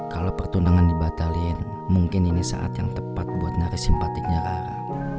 kalau pertunangan dibatalin mungkin ini saat yang tepat buat nyari simpatiknya ah